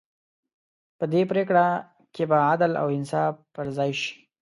په دې پرېکړې کې به عدل او انصاف پر ځای شي.